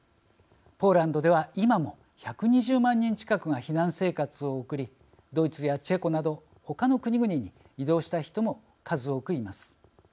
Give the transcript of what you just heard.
ポーランドでは今も１２０万人近くが避難生活を送りドイツやチェコなどほかの国々に移動した人も数多くいます。